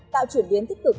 tạo truyền biến tích cực